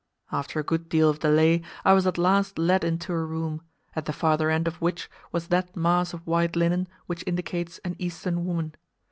After a good deal of delay I was at last led into a room, at the farther end of which was that mass of white linen which indicates an Eastern woman.